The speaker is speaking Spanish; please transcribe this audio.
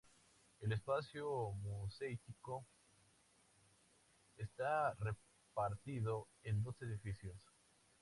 El espacio museístico está repartido en dos edificios.